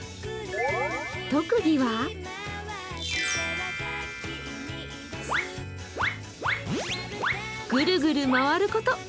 特技はぐるぐる回ること。